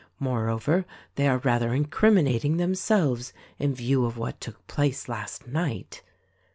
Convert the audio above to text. Moreover, they are rather incriminating themselves — in view of what took place last night."